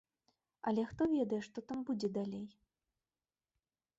Але хто ведае, што там будзе далей.